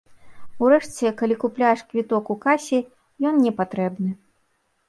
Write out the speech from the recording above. Урэшце, калі купляеш квіток у касе, ён не патрэбны.